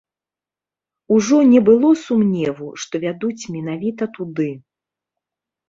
Ужо не было сумневу, што вядуць менавіта туды.